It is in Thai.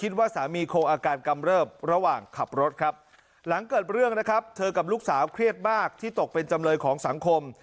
เจอกับลูกสาวเครียดมากที่ตกเป็นจำเลยของสังคม